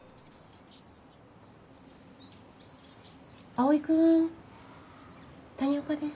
蒼君谷岡です。